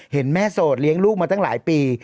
เห็นแม่โสดเลี้ยงลูกมาตั้งหลายปี